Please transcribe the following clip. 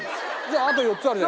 じゃああと４つ。